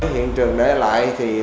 hiện trường để lại thì